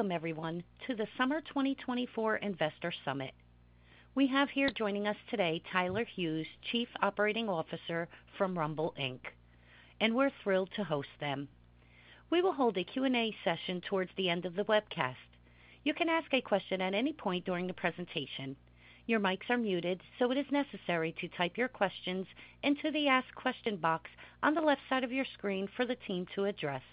Welcome everyone, to the Summer 2024 Investor Summit. We have here joining us today, Tyler Hughes, Chief Operating Officer from Rumble Inc, and we're thrilled to host them. We will hold a Q&A session towards the end of the webcast. You can ask a question at any point during the presentation. Your mics are muted, so it is necessary to type your questions into the Ask Question box on the left side of your screen for the team to address.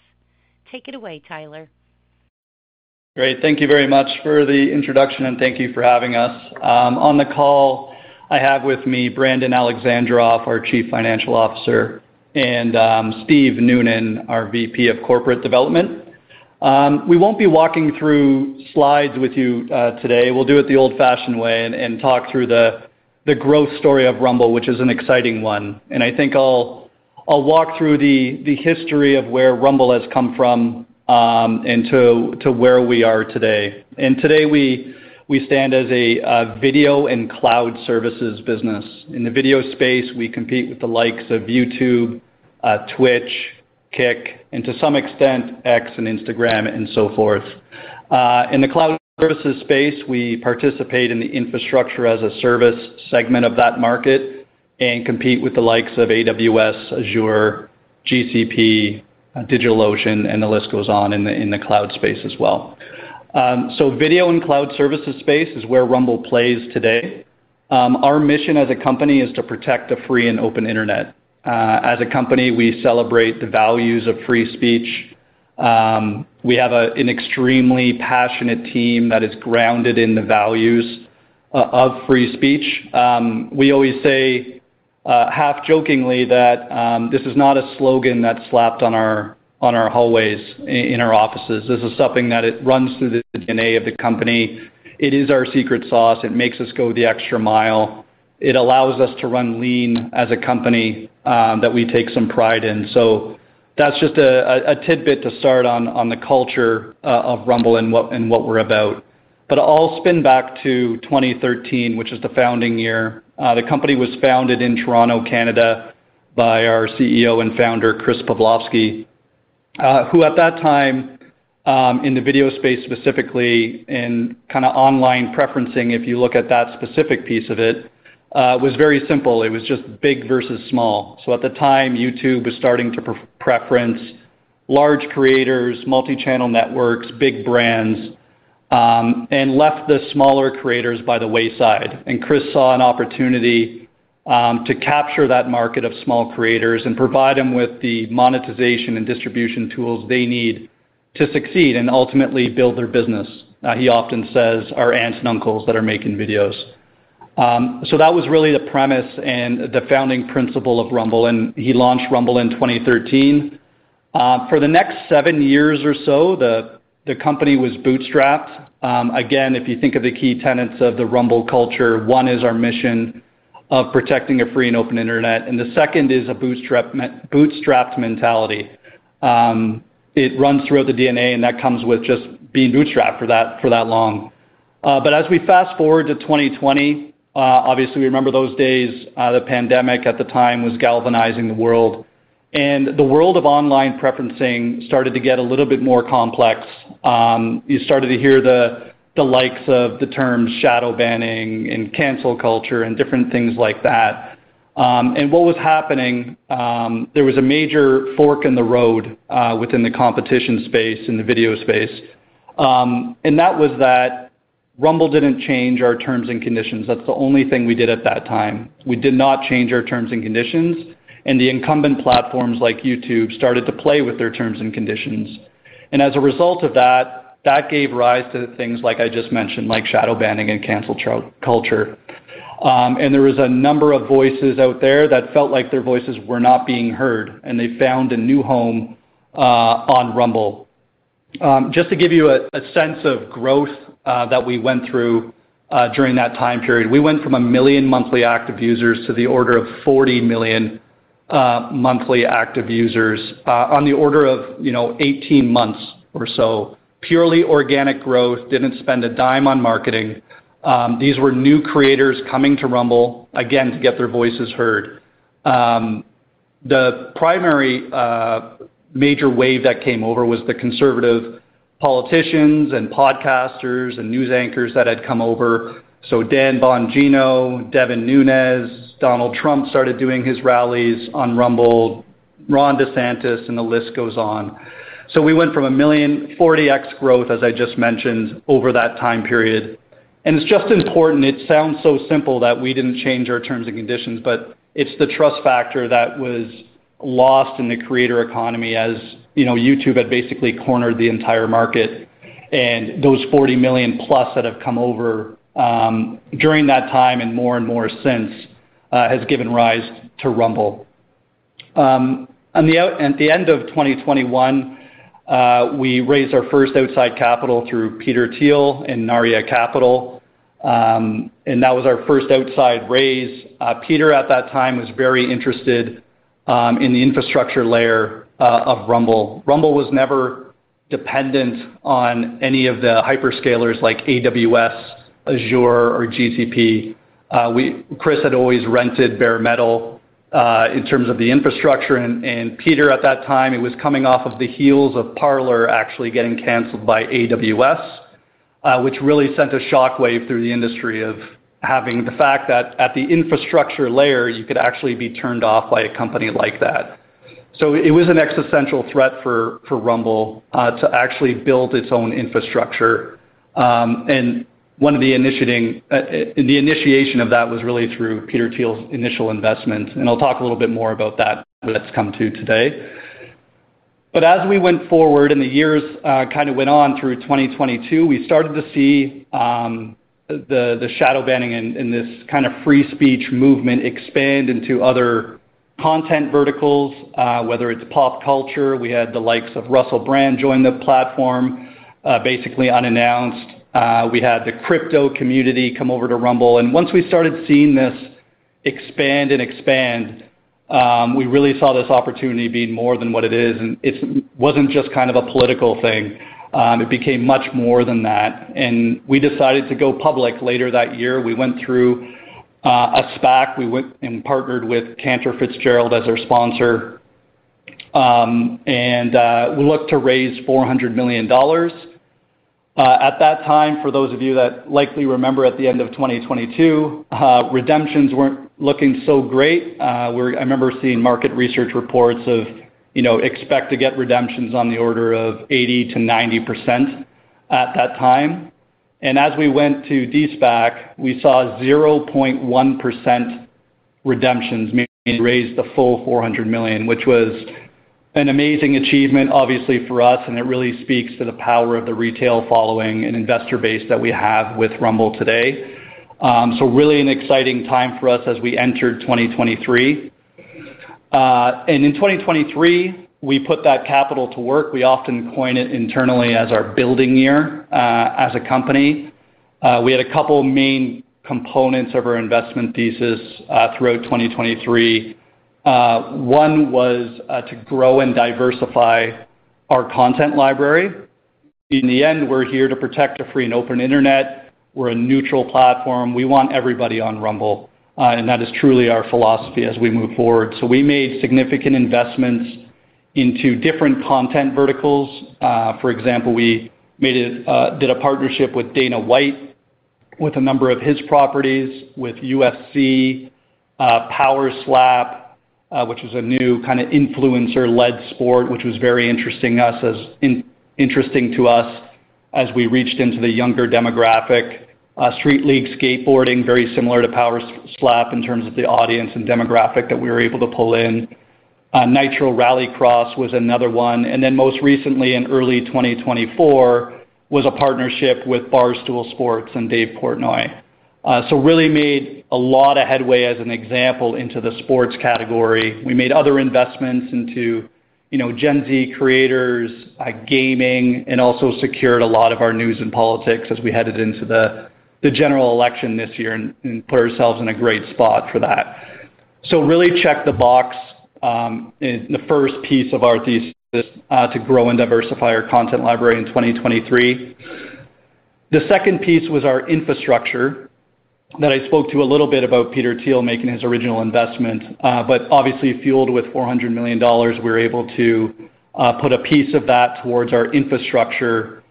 Take it away, Tyler. Great. Thank you very much for the introduction, and thank you for having us. On the call, I have with me Brandon Alexandroff, our Chief Financial Officer, and Steve Noonan, our VP of Corporate Development. We won't be walking through slides with you, today. We'll do it the old-fashioned way and talk through the growth story of Rumble, which is an exciting one, and I think I'll walk through the history of where Rumble has come from, and to where we are today. Today, we stand as a video and cloud services business. In the video space, we compete with the likes of YouTube, Twitch, Kick, and to some extent, X and Instagram, and so forth. In the cloud services space, we participate in the Infrastructure-as-a-Service segment of that market and compete with the likes of AWS, Azure, GCP, DigitalOcean, and the list goes on in the cloud space as well. So video and cloud services space is where Rumble plays today. Our mission as a company is to protect a free and open Internet. As a company, we celebrate the values of free speech. We have an extremely passionate team that is grounded in the values of free speech. We always say, half-jokingly, that this is not a slogan that's slapped on our hallways in our offices. This is something that it runs through the DNA of the company. It is our secret sauce. It makes us go the extra mile. It allows us to run lean as a company, that we take some pride in. So that's just a tidbit to start on the culture of Rumble and what we're about. But I'll spin back to 2013, which is the founding year. The company was founded in Toronto, Canada, by our CEO and founder, Chris Pavlovski, who at that time, in the video space, specifically in kinda online preferencing, if you look at that specific piece of it, was very simple. It was just big versus small. So at the time, YouTube was starting to preference large creators, multi-channel networks, big brands, and left the smaller creators by the wayside. And Chris saw an opportunity to capture that market of small creators and provide them with the monetization and distribution tools they need to succeed and ultimately build their business. He often says, "Our aunts and uncles that are making videos." So that was really the premise and the founding principle of Rumble, and he launched Rumble in 2013. For the next 7 years or so, the company was bootstrapped. Again, if you think of the key tenets of the Rumble culture, one is our mission of protecting a free and open internet, and the second is a bootstrapped mentality. It runs throughout the DNA, and that comes with just being bootstrapped for that long. But as we fast forward to 2020, obviously, we remember those days. The pandemic at the time was galvanizing the world, and the world of online preferencing started to get a little bit more complex. You started to hear the likes of the terms shadowbanning and cancel culture, and different things like that. And what was happening, there was a major fork in the road within the competition space, in the video space. And that was that Rumble didn't change our terms and conditions. That's the only thing we did at that time. We did not change our terms and conditions, and the incumbent platforms like YouTube started to play with their terms and conditions. And as a result of that, that gave rise to the things like I just mentioned, like shadowbanning and cancel culture. There was a number of voices out there that felt like their voices were not being heard, and they found a new home on Rumble. Just to give you a sense of growth that we went through during that time period. We went from one million monthly active users to the order of 40 million monthly active users on the order of, you know, 18 months or so. Purely organic growth. Didn't spend a dime on marketing. These were new creators coming to Rumble, again, to get their voices heard. The primary major wave that came over was the conservative politicians, and podcasters, and news anchors that had come over. So Dan Bongino, Devin Nunes, Donald Trump started doing his rallies on Rumble, Ron DeSantis, and the list goes on. So we went from a million, 40x growth, as I just mentioned, over that time period, and it’s just important. It sounds so simple that we didn’t change our terms and conditions, but it’s the trust factor that was lost in the creator economy, as, you know, YouTube had basically cornered the entire market, and those 40 million+ that have come over during that time and more and more since has given rise to Rumble. At the end of 2021, we raised our first outside capital through Peter Thiel and Narya Capital, and that was our first outside raise. Peter, at that time, was very interested in the infrastructure layer of Rumble. Rumble was never dependent on any of the hyperscalers like AWS, Azure or GCP. Chris had always rented bare metal in terms of the infrastructure, and Peter, at that time, it was coming off of the heels of Parler actually getting canceled by AWS, which really sent a shockwave through the industry of having the fact that at the infrastructure layer, you could actually be turned off by a company like that. So it was an existential threat for Rumble to actually build its own infrastructure. And one of the initiation of that was really through Peter Thiel's initial investment, and I'll talk a little bit more about that when it's come to today. But as we went forward and the years kind of went on through 2022, we started to see the shadow banning and this kind of free speech movement expand into other content verticals, whether it's pop culture. We had the likes of Russell Brand join the platform, basically unannounced. We had the crypto community come over to Rumble, and once we started seeing this expand and expand, we really saw this opportunity being more than what it is, and it wasn't just kind of a political thing. It became much more than that, and we decided to go public later that year. We went through a SPAC. We went and partnered with Cantor Fitzgerald as our sponsor, and we looked to raise $400 million. At that time, for those of you that likely remember, at the end of 2022, redemptions weren't looking so great. I remember seeing market research reports of, you know, expect to get redemptions on the order of 80%-90% at that time, and as we went to de-SPAC, we saw 0.1% redemptions, meaning raised the full $400 million, which was an amazing achievement, obviously, for us, and it really speaks to the power of the retail following and investor base that we have with Rumble today, so really an exciting time for us as we entered 2023, and in 2023, we put that capital to work. We often coin it internally as our building year as a company. We had a couple main components of our investment thesis throughout 2023. One was to grow and diversify our content library. In the end, we're here to protect a free and open internet. We're a neutral platform. We want everybody on Rumble, and that is truly our philosophy as we move forward. So we made significant investments into different content verticals. For example, we did a partnership with Dana White, with a number of his properties, with UFC, Power Slap, which was a new kind of influencer-led sport, which was very interesting to us as we reached into the younger demographic. Street League Skateboarding, very similar to Power Slap in terms of the audience and demographic that we were able to pull in. Nitro Rallycross was another one, and then most recently in early 2024, was a partnership with Barstool Sports and Dave Portnoy. So really made a lot of headway as an example into the sports category. We made other investments into, you know, Gen Z creators, gaming, and also secured a lot of our news and politics as we headed into the general election this year and put ourselves in a great spot for that. So really checked the box in the first piece of our thesis to grow and diversify our content library in 2023. The second piece was our infrastructure, that I spoke to a little bit about Peter Thiel making his original investment, but obviously fueled with $400 million, we were able to put a piece of that towards our infrastructure.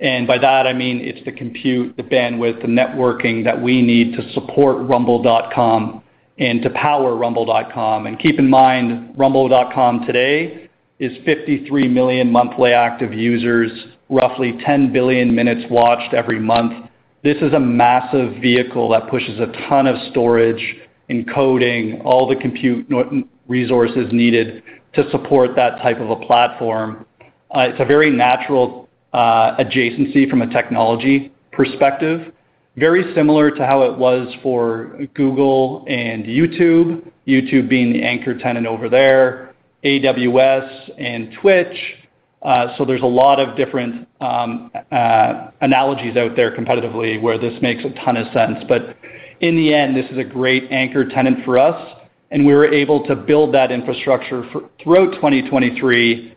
And by that, I mean it's the compute, the bandwidth, the networking that we need to support rumble.com and to power rumble.com. Keep in mind, rumble.com today is 53 million monthly active users, roughly 10 billion minutes watched every month. This is a massive vehicle that pushes a ton of storage, encoding, all the compute resources needed to support that type of a platform. It's a very natural adjacency from a technology perspective, very similar to how it was for Google and YouTube. YouTube being the anchor tenant over there, AWS and Twitch. So there's a lot of different analogies out there competitively, where this makes a ton of sense. But in the end, this is a great anchor tenant for us, and we were able to build that infrastructure throughout 2023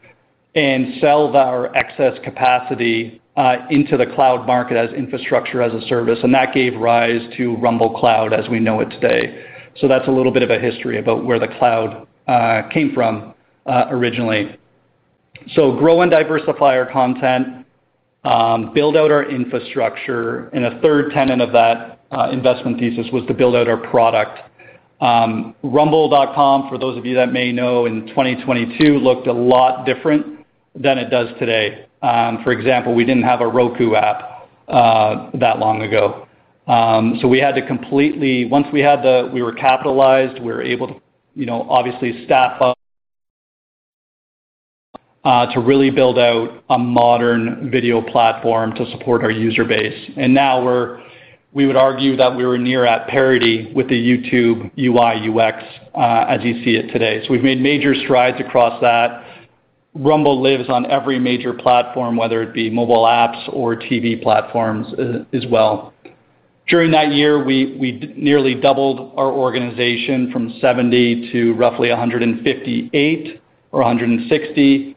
and sell our excess capacity into the cloud market as infrastructure as a service, and that gave rise to Rumble Cloud as we know it today. That's a little bit of a history about where the cloud came from originally. Grow and diversify our content, build out our infrastructure, and a third tenet of that investment thesis was to build out our product. rumble.com, for those of you that may know, in 2022, looked a lot different than it does today. For example, we didn't have a Roku app that long ago. Once we were capitalized, we were able to, you know, obviously staff up to really build out a modern video platform to support our user base. Now we would argue that we are near at parity with the YouTube UI/UX as you see it today. We've made major strides across that. Rumble lives on every major platform, whether it be mobile apps or TV platforms as well. During that year, we nearly doubled our organization from 70 to roughly 158 or 160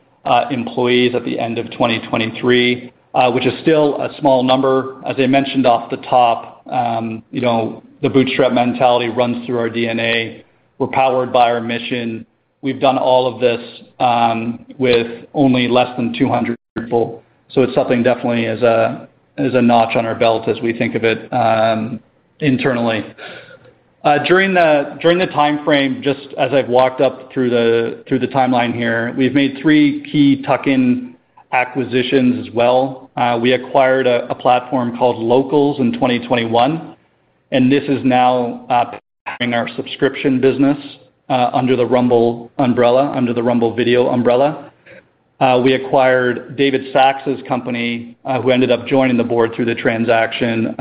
employees at the end of 2023, which is still a small number. As I mentioned off the top, you know, the bootstrap mentality runs through our DNA. We're powered by our mission. We've done all of this with only less than 200 people. So it's something definitely as a notch on our belt, as we think of it, internally. During the time frame, just as I've walked up through the timeline here, we've made three key tuck-in acquisitions as well. We acquired a platform called Locals in 2021, and this is now powering our subscription business under the Rumble umbrella, under the Rumble Video umbrella. We acquired David Sacks' company, who ended up joining the board through the transaction.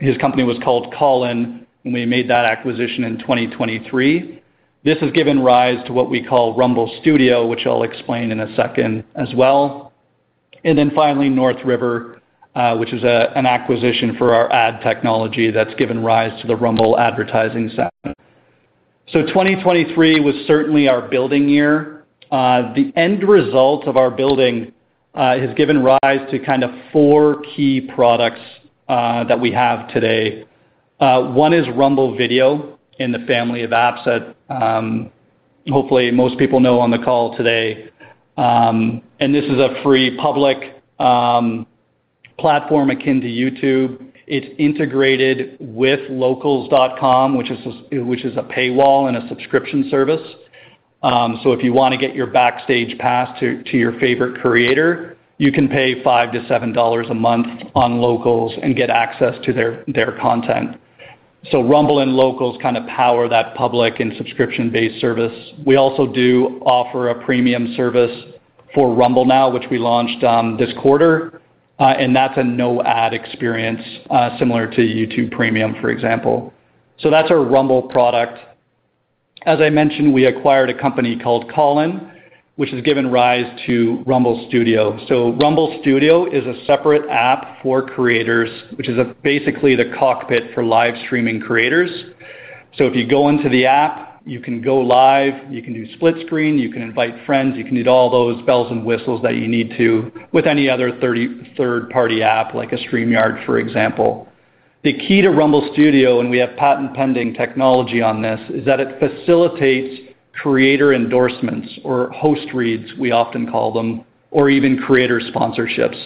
His company was called Callin, and we made that acquisition in 2023. This has given rise to what we call Rumble Studio, which I'll explain in a second as well. And then finally, North River, which is an acquisition for our ad technology that's given rise to the Rumble advertising segment. 2023 was certainly our building year. The end result of our building has given rise to kind of four key products that we have today. One is Rumble Video in the family of apps that hopefully most people know on the call today. And this is a free public platform akin to YouTube. It's integrated with Locals.com, which is a paywall and a subscription service. So if you wanna get your backstage pass to your favorite creator, you can pay $5-$7 a month on Locals and get access to their content. So Rumble and Locals kind of power that public and subscription-based service. We also do offer a premium service for Rumble now, which we launched this quarter, and that's a no-ad experience similar to YouTube Premium, for example. So that's our Rumble product. As I mentioned, we acquired a company called Callin, which has given rise to Rumble Studio. Rumble Studio is a separate app for creators, which is basically the cockpit for live streaming creators. If you go into the app, you can go live, you can do split screen, you can invite friends, you can do all those bells and whistles that you need to with any other third-party app, like StreamYard, for example. The key to Rumble Studio, and we have patent-pending technology on this, is that it facilitates creator endorsements or host reads, we often call them, or even creator sponsorships.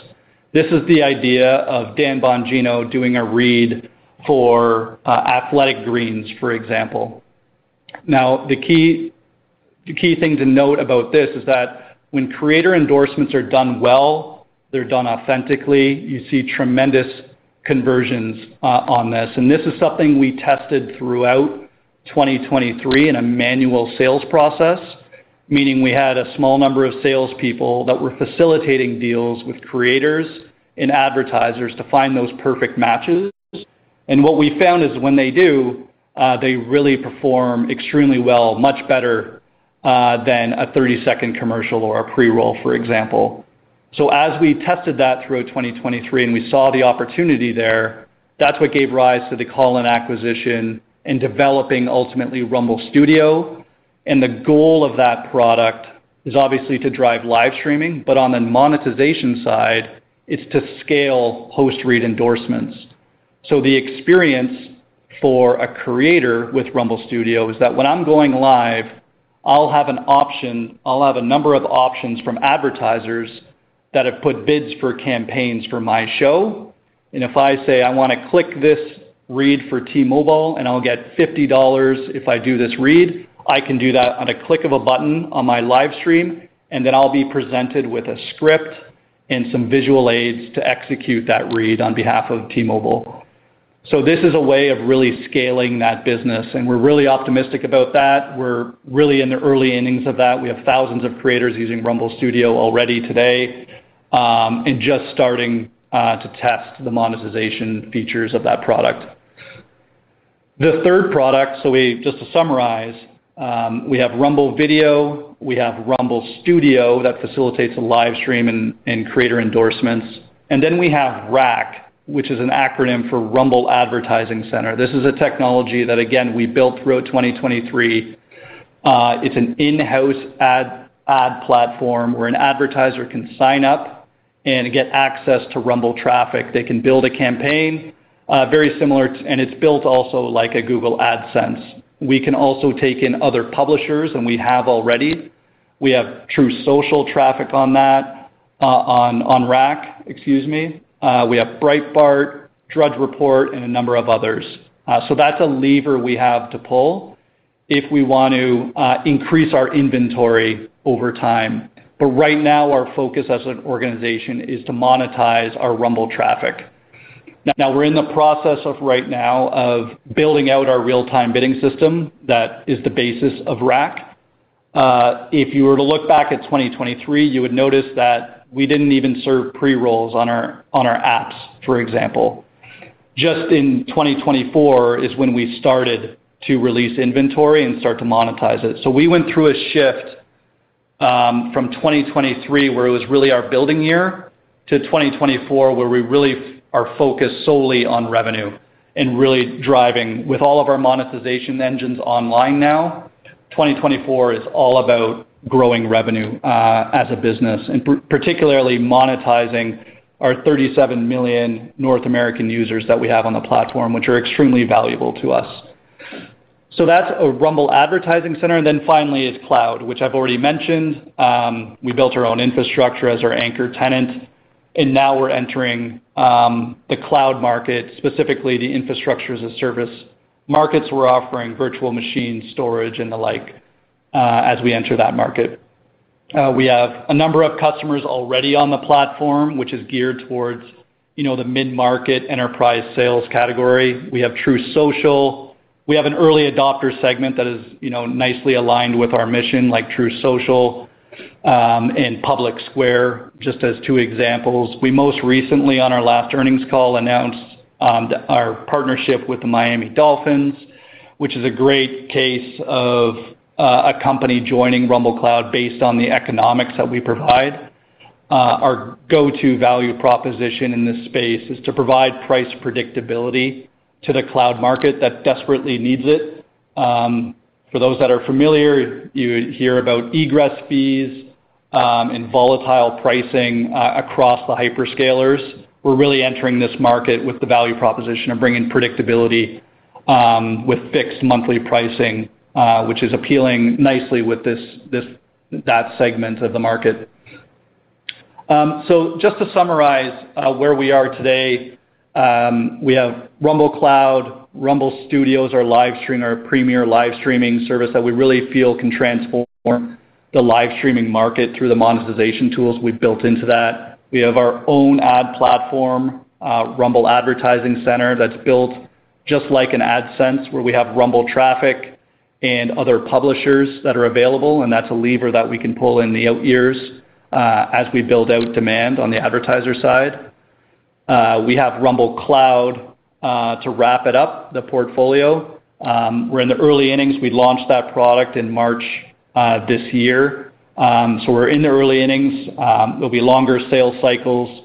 This is the idea of Dan Bongino doing a read for Athletic Greens, for example. Now, the key, the key thing to note about this is that when creator endorsements are done well, they're done authentically. You see tremendous conversions, on this, and this is something we tested throughout 2023 in a manual sales process, meaning we had a small number of salespeople that were facilitating deals with creators and advertisers to find those perfect matches. And what we found is when they do, they really perform extremely well, much better, than a 30-second commercial or a pre-roll, for example. So as we tested that throughout 2023, and we saw the opportunity there, that's what gave rise to the Callin acquisition and developing, ultimately, Rumble Studio. And the goal of that product is obviously to drive live streaming, but on the monetization side, it's to scale host-read endorsements. The experience for a creator with Rumble Studio is that when I'm going live, I'll have a number of options from advertisers that have put bids for campaigns for my show. And if I say: I wanna click this read for T-Mobile, and I'll get $50 if I do this read, I can do that on a click of a button on my live stream, and then I'll be presented with a script and some visual aids to execute that read on behalf of T-Mobile. So this is a way of really scaling that business, and we're really optimistic about that. We're really in the early innings of that. We have thousands of creators using Rumble Studio already today, and just starting to test the monetization features of that product. The third product, so just to summarize, we have Rumble Video, we have Rumble Studio that facilitates a live stream and creator endorsements, and then we have RAC, which is an acronym for Rumble Advertising Center. This is a technology that, again, we built throughout 2023. It's an in-house ad platform, where an advertiser can sign up and get access to Rumble traffic. They can build a campaign, very similar, and it's built also like a Google AdSense. We can also take in other publishers, and we have already. We have Truth Social traffic on that, on RAC, excuse me. We have Breitbart, Drudge Report, and a number of others. So that's a lever we have to pull if we want to increase our inventory over time. But right now, our focus as an organization is to monetize our Rumble traffic. Now, we're in the process of right now of building out our real-time bidding system that is the basis of RAC. If you were to look back at 2023, you would notice that we didn't even serve pre-rolls on our, on our apps, for example. Just in 2024 is when we started to release inventory and start to monetize it. So we went through a shift, from 2023, where it was really our building year to 2024, where we really are focused solely on revenue and really driving. With all of our monetization engines online now, 2024 is all about growing revenue, as a business, and particularly monetizing our 37 million North American users that we have on the platform, which are extremely valuable to us. So that's a Rumble Advertising Center. Then finally, it's Cloud, which I've already mentioned. We built our own infrastructure as our anchor tenant, and now we're entering the cloud market, specifically the infrastructure as a service markets. We're offering virtual machine storage and the like, as we enter that market. We have a number of customers already on the platform, which is geared towards, you know, the mid-market enterprise sales category. We have Truth Social. We have an early adopter segment that is, you know, nicely aligned with our mission, like Truth Social, and PublicSquare, just as two examples. We most recently, on our last earnings call, announced our partnership with the Miami Dolphins, which is a great case of a company joining Rumble Cloud based on the economics that we provide. Our go-to value proposition in this space is to provide price predictability to the cloud market that desperately needs it. For those that are familiar, you hear about egress fees and volatile pricing across the hyperscalers. We're really entering this market with the value proposition of bringing predictability with fixed monthly pricing, which is appealing nicely with that segment of the market. So just to summarize, where we are today, we have Rumble Cloud, Rumble Studios, our premier live streaming service that we really feel can transform the live streaming market through the monetization tools we've built into that. We have our own ad platform, Rumble Advertising Center, that's built just like an AdSense, where we have Rumble traffic and other publishers that are available, and that's a lever that we can pull in the out years, as we build out demand on the advertiser side. We have Rumble Cloud, to wrap it up, the portfolio. We're in the early innings. We launched that product in March, this year. So we're in the early innings. There'll be longer sales cycles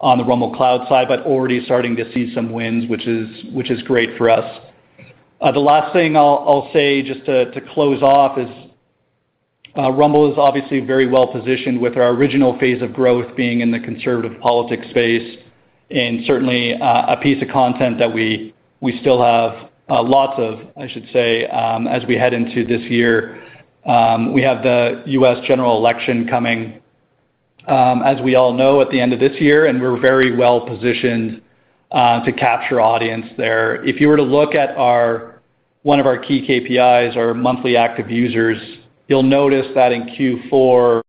on the Rumble Cloud side, but already starting to see some wins, which is great for us. The last thing I'll say, just to close off, is Rumble is obviously very well-positioned with our original phase of growth being in the conservative politics space, and certainly a piece of content that we still have lots of, I should say, as we head into this year. We have the U.S. general election coming, as we all know, at the end of this year, and we're very well-positioned to capture audience there. If you were to look at our one of our key KPIs, our monthly active users, you'll notice that in Q4,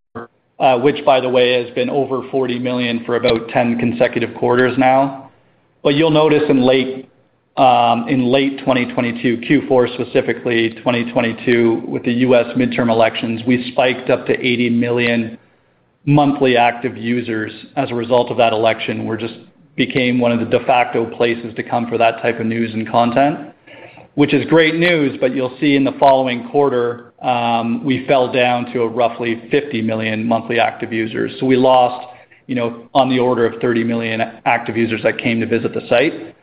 which by the way, has been over 40 million for about 10 consecutive quarters now. But you'll notice in late, in late 2022, Q4, specifically 2022, with the U.S. midterm elections, we spiked up to 80 million monthly active users as a result of that election. We're just became one of the de facto places to come for that type of news and content, which is great news, but you'll see in the following quarter, we fell down to a roughly 50 million monthly active users. So we lost, you know, on the order of 30 million active users that came to visit the site.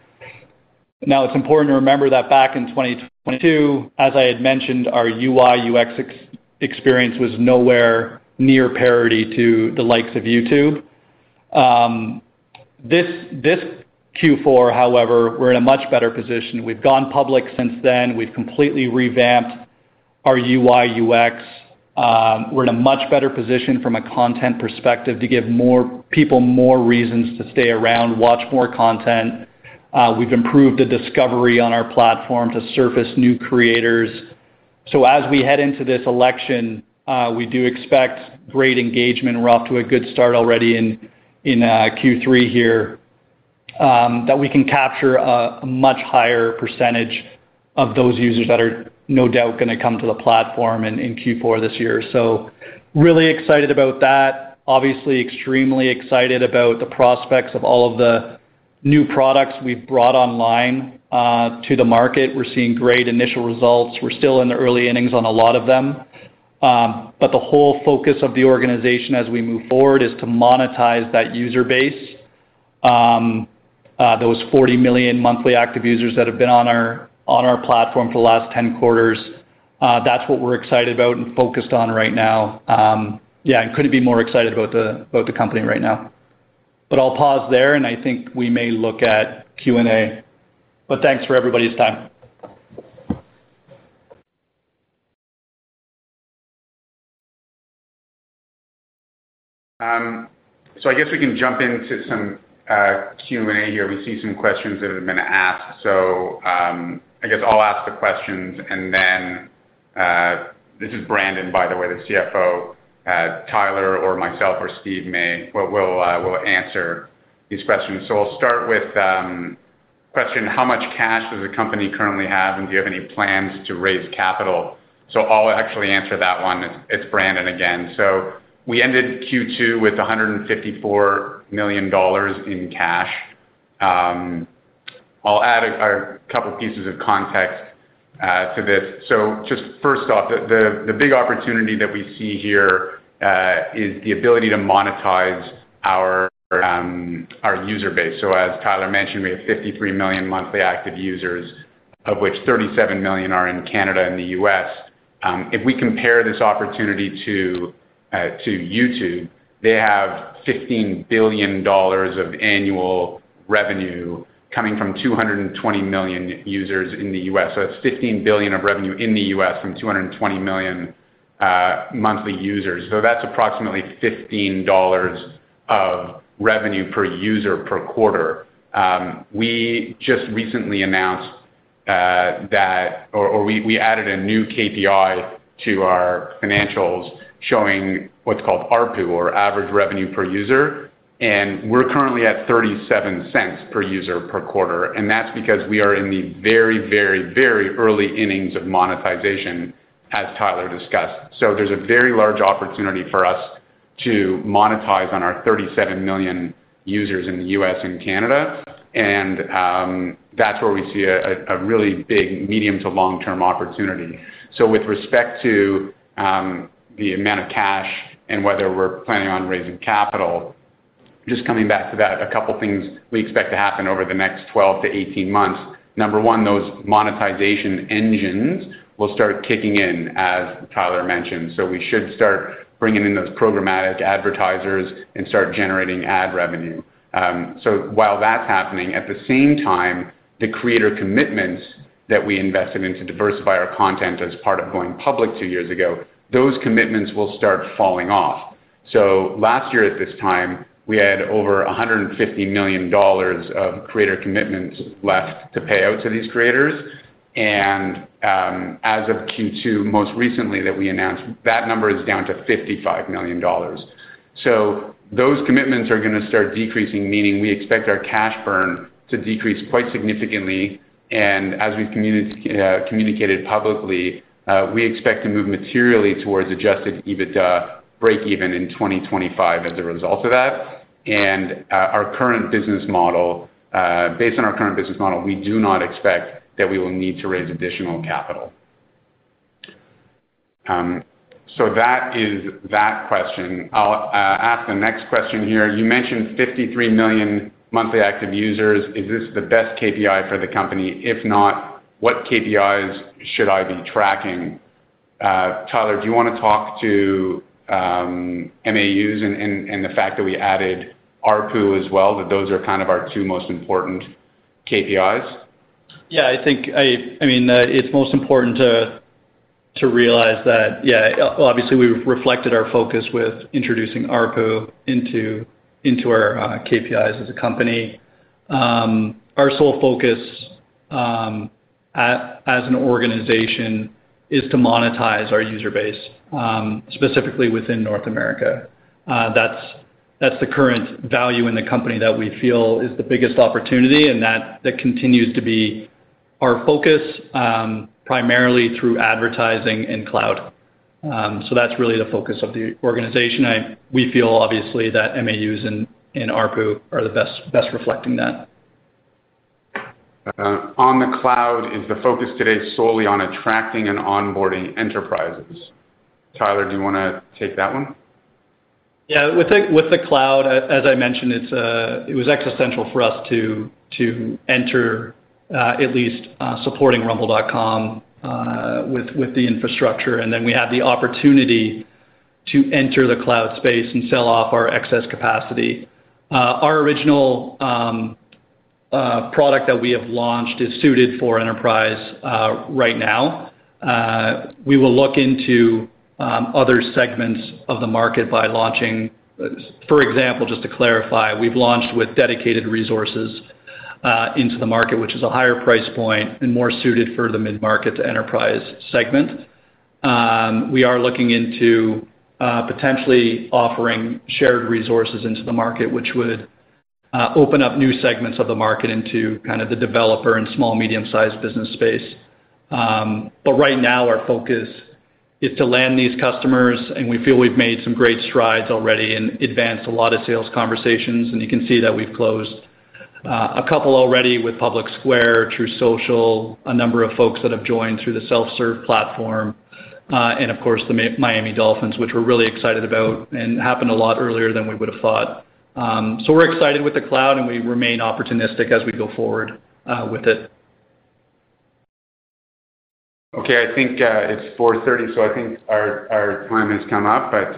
Now, it's important to remember that back in 2022, as I had mentioned, our UI/UX experience was nowhere near parity to the likes of YouTube. This Q4, however, we're in a much better position. We've gone public since then. We've completely revamped our UI/UX. We're in a much better position from a content perspective to give more people more reasons to stay around, watch more content. We've improved the discovery on our platform to surface new creators. So as we head into this election, we do expect great engagement. We're off to a good start already in Q3 here, that we can capture a much higher percentage of those users that are no doubt gonna come to the platform in Q4 this year. Really excited about that. Obviously, extremely excited about the prospects of all of the new products we've brought online to the market. We're seeing great initial results. We're still in the early innings on a lot of them. But the whole focus of the organization as we move forward is to monetize that user base. Those 40 million monthly active users that have been on our platform for the last 10 quarters, that's what we're excited about and focused on right now. Yeah, and couldn't be more excited about the company right now. But I'll pause there, and I think we may look at Q&A. But thanks for everybody's time. So I guess we can jump into some Q&A here. We see some questions that have been asked. So, I guess I'll ask the questions, and then, this is Brandon, by the way, the CFO, Tyler or myself or Steve may, well, will answer these questions. So I'll start with question: How much cash does the company currently have, and do you have any plans to raise capital? So I'll actually answer that one. It's Brandon again. So we ended Q2 with $154 million in cash. I'll add a couple pieces of context to this. So just first off, the big opportunity that we see here is the ability to monetize our user base. So as Tyler mentioned, we have 53 million monthly active users, of which 37 million are in Canada and the U.S. If we compare this opportunity to YouTube, they have $15 billion of annual revenue coming from 220 million users in the U.S. So that's $15 billion of revenue in the U.S. from 220 million monthly users. So that's approximately $15 of revenue per user per quarter. We just recently announced that we added a new KPI to our financials showing what's called ARPU, or Average Revenue Per User, and we're currently at $0.37 per user per quarter, and that's because we are in the very, very, very early innings of monetization, as Tyler discussed, so there's a very large opportunity for us to monetize on our 37 million users in the U.S. and Canada, and that's where we see a really big medium- to long-term opportunity, so with respect to the amount of cash and whether we're planning on raising capital, just coming back to that, a couple things we expect to happen over the next 12-18 months. Number one, those monetization engines will start kicking in, as Tyler mentioned, so we should start bringing in those programmatic advertisers and start generating ad revenue. So while that's happening, at the same time, the creator commitments that we invested in to diversify our content as part of going public two years ago, those commitments will start falling off. So last year, at this time, we had over $150 million of creator commitments left to pay out to these creators, and, as of Q2, most recently, that we announced, that number is down to $55 million. So those commitments are gonna start decreasing, meaning we expect our cash burn to decrease quite significantly, and as we've communicated publicly, we expect to move materially towards adjusted EBITDA breakeven in 2025 as a result of that. And, our current business model, based on our current business model, we do not expect that we will need to raise additional capital. So that is that question. I'll ask the next question here: You mentioned 53 million monthly active users. Is this the best KPI for the company? If not, what KPIs should I be tracking? Tyler, do you wanna talk to MAUs and the fact that we added ARPU as well, that those are kind of our two most important KPIs? Yeah, I think, I mean, it's most important to realize that, yeah, obviously, we've reflected our focus with introducing ARPU into our KPIs as a company. Our sole focus as an organization is to monetize our user base, specifically within North America. That's the current value in the company that we feel is the biggest opportunity, and that continues to be our focus, primarily through advertising and cloud. So that's really the focus of the organization, and we feel, obviously, that MAUs and ARPU are the best reflecting that. On the Cloud, is the focus today solely on attracting and onboarding enterprises? Tyler, do you wanna take that one? Yeah. With the Cloud, as I mentioned, it was existential for us to enter at least supporting rumble.com with the infrastructure, and then we had the opportunity to enter the cloud space and sell off our excess capacity. Our original product that we have launched is suited for enterprise right now. We will look into other segments of the market by launching. For example, just to clarify, we've launched with dedicated resources into the market, which is a higher price point and more suited for the mid-market to enterprise segment. We are looking into potentially offering shared resources into the market, which would open up new segments of the market into kind of the developer and small, medium-sized business space. But right now, our focus is to land these customers, and we feel we've made some great strides already and advanced a lot of sales conversations, and you can see that we've closed a couple already with PublicSquare, Truth Social, a number of folks that have joined through the self-serve platform, and of course, the Miami Dolphins, which we're really excited about, and happened a lot earlier than we would have thought. We're excited with the cloud, and we remain opportunistic as we go forward with it. Okay, I think it's 4:30 P.M., so I think our time has come up, but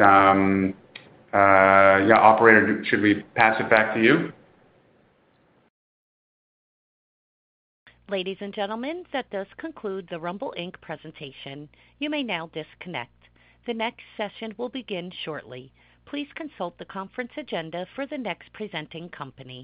yeah, operator, should we pass it back to you? Ladies and gentlemen, that does conclude the Rumble Inc presentation. You may now disconnect. The next session will begin shortly. Please consult the conference agenda for the next presenting company.